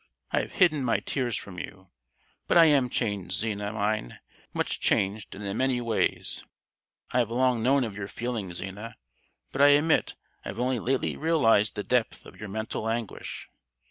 I have hidden my tears from you; but I am changed, Zina mine, much changed and in many ways! I have long known of your feelings, Zina, but I admit I have only lately realized the depth of your mental anguish.